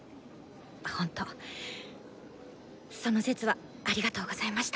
ほんとその節はありがとうございました。